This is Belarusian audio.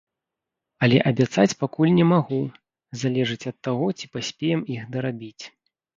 Але абяцаць пакуль не магу, залежыць ад таго, ці паспеем іх дарабіць.